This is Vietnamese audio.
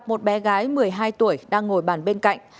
một bé gái một mươi hai tuổi đang ngồi bàn bên cạnh